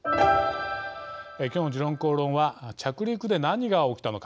今日の「時論公論」は着陸で何が起きたのか。